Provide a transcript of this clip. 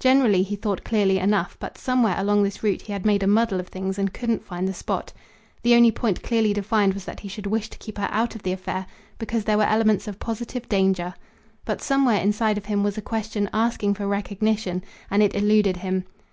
Generally he thought clearly enough; but somewhere along this route he had made a muddle of things and couldn't find the spot. The only point clearly defined was that he should wish to keep her out of the affair because there were elements of positive danger. But somewhere inside of him was a question asking for recognition, and it eluded him.